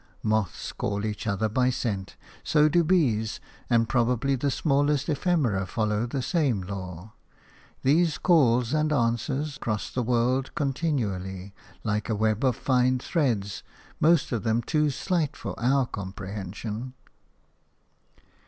Moths call each other by scent; so do bees; and probably the smallest ephemera follow the same law. These calls and answers cross the world continually, like a web of fine threads, most of them too slight for our comprehension.